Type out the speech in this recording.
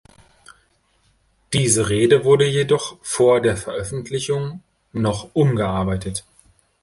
Diese Rede wurde jedoch vor der Veröffentlichung noch umgearbeitet.